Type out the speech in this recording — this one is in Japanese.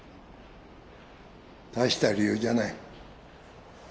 大した理由じゃない。